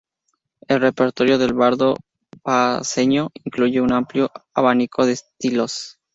El repertorio del bardo paceño incluye un amplio abanico de estilos.